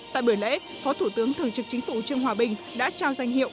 tại buổi lễ phó thủ tướng thường trực chính phủ trương hòa bình đã trao danh hiệu